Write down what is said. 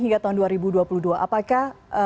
hingga tahun dua ribu dua puluh dua apakah